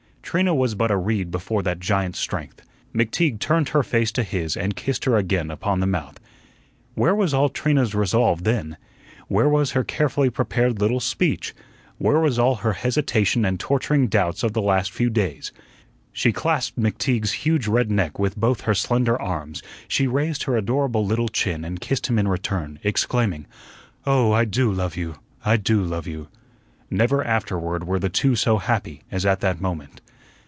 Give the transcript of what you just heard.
Trina was but a reed before that giant strength. McTeague turned her face to his and kissed her again upon the mouth. Where was all Trina's resolve then? Where was her carefully prepared little speech? Where was all her hesitation and torturing doubts of the last few days? She clasped McTeague's huge red neck with both her slender arms; she raised her adorable little chin and kissed him in return, exclaiming: "Oh, I do love you! I do love you!" Never afterward were the two so happy as at that moment.